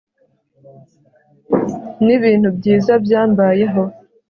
Nibintu byiza byambayeho